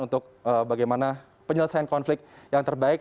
untuk bagaimana penyelesaian konflik yang terbaik